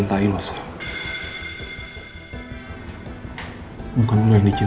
nak papa denger kamu udah usg